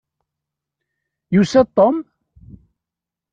Yusa-d Tom?